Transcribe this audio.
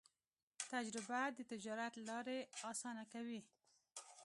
تجربه د تجارت لارې اسانه کوي.